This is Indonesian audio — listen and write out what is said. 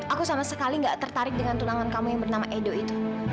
aku sama sekali gak tertarik dengan tulangan kamu yang bernama edo itu